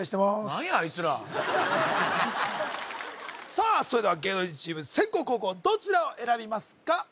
さあそれでは芸能人チーム先攻後攻どちらを選びますか？